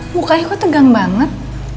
mukanya kok tegang banget